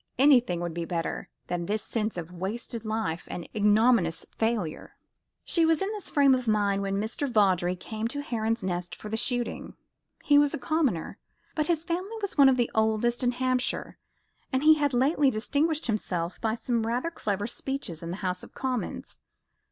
Anything would be better than this sense of a wasted life and ignominious failure. She was in this frame of mind when Mr. Vawdrey came to Heron's Nest for the shooting. He was a commoner, but his family was one of the oldest in Hampshire, and he had lately distinguished himself by some rather clever speeches in the House of Commons.